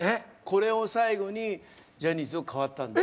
これを最後にジャニーズをかわったんです。